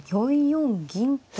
４四銀と。